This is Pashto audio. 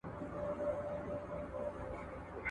الله تعالی د حجت تر اتمام وروسته کافران ونيول.